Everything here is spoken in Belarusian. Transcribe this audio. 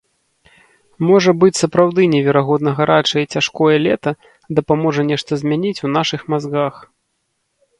Можа быць, сапраўды неверагодна гарачае і цяжкое лета дапаможа нешта змяніць у нашых мазгах.